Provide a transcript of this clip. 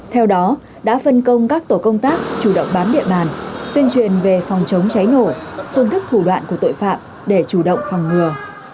theo đó đã phân công các tổ công tác chủ động bám địa bàn tuyên truyền về phòng chống cháy nổ phương thức thủ đoạn của tội phạm để chủ động phòng ngừa